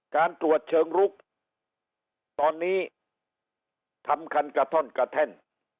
การตรวจเชิงลุกตอนนี้ทำคันกระท่อนกระแท่น